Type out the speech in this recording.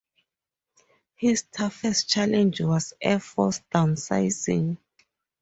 His toughest challenge was Air Force downsizing.